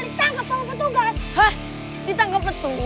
loh ngapain gue kasih tau